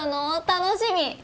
楽しみ。